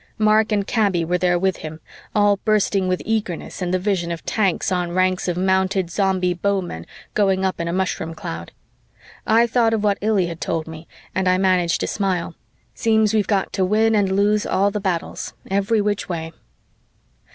Mark and Kaby were there with him, all bursting with eagerness and the vision of ranks on ranks of mounted Zombie bowmen going up in a mushroom cloud; I thought of what Illy had told me and I managed a smile seems we've got to win and lose all the battles, every which way.